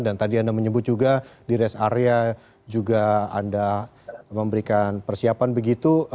dan tadi anda menyebut juga di rest area juga anda memberikan persiapan begitu